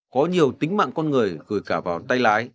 có nhiều tính mạng con người gửi cả vào tay lái